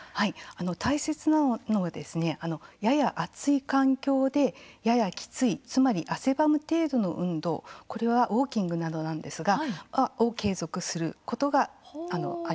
大切なのはやや暑い環境で、ややきついつまり汗ばむ程度の運動、これはウォーキングなどなんですが継続することがあります。